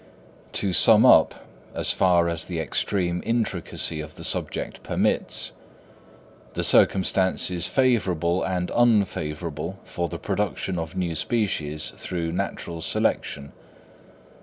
To sum up, as far as the extreme intricacy of the subject permits, the circumstances favourable and unfavourable for the production of new species through natural selection.